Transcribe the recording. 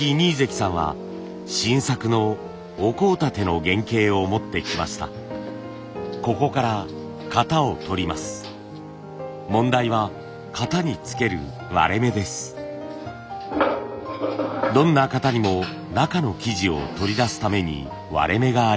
どんな型にも中の素地を取り出すために割れ目があります。